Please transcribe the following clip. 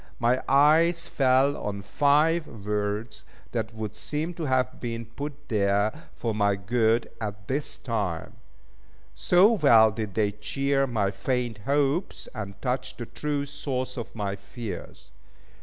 My eyes fell on five words, that would seem to have been put there for my good at this time; so well did they cheer my faint hopes, and touch the true source of my fears.